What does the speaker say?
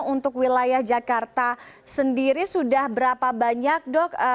untuk wilayah jakarta sendiri sudah berapa banyak dok